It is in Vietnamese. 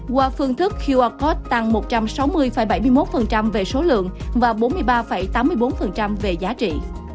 qua phương thức qr code tăng một trăm sáu mươi bảy mươi một về số lượng và bốn mươi ba tám mươi bốn về giá trị